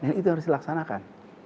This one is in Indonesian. dan itu harus dilaksanakan